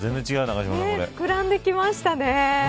膨らんできましたね。